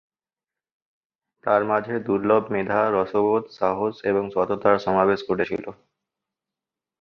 তার মাঝে দূর্লভ মেধা, রসবোধ, সাহস এবং সততার সমাবেশ ঘটেছিল।